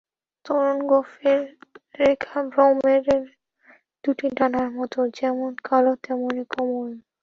তরুণ গোঁফের রেখা ভ্রমরের দুটি ডানার মতো, যেমন কালো, তেমনি কোমল।